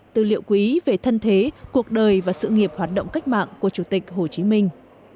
tư liệu quý về thân thế cuộc đời và sự nghiệp hoạt động cách mạng của chủ tịch hồ chí minh